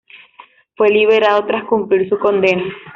Fue liberado tras cumplir su condena.